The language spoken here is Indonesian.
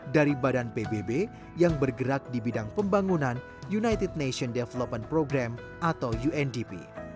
dari badan pbb yang bergerak di bidang pembangunan united nation development program atau undp